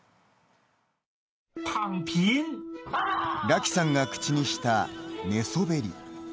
ラキさんが口にした「寝そべり」。